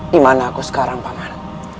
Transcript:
dimana aku sekarang paman